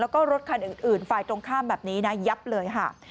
แล้วก็รถคันอื่นฝ่ายตรงข้ามแบบนี้นะยับเลยค่ะ